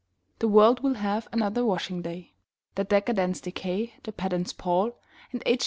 The world will have another washing day; The decadents decay; the pedants pall; And H.